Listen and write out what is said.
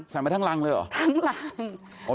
ไปทั้งรังเลยเหรอทั้งรัง